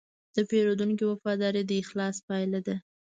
د پیرودونکي وفاداري د اخلاص پایله ده.